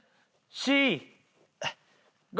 ４５。